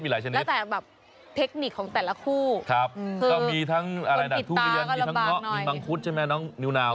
มีหลายแบบเทคนิคของแต่ละคู่ก็มีทั้งทุเรียนมีทั้งเงาะมีมังคุดใช่ไหมน้องนิวนาว